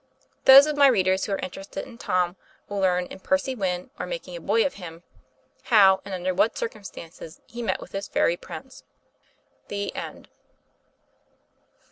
Those of my readers who are interested in Tom will learn in "Percy Wynn; or, Making a Boy of Him," how and under what circumstances he met with his " fairy prince." THE END.